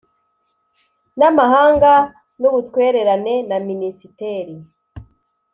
n Amahanga n Ubutwererane na Minisiteri